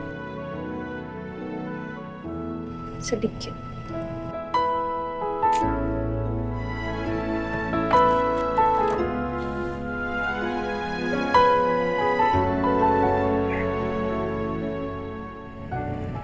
masih aku singgah